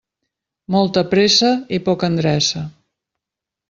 Molta pressa i poca endreça.